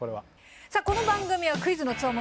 さあこの番組はクイズの強者